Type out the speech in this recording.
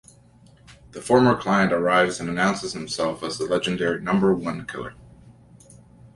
The former client arrives and announces himself as the legendary Number One Killer.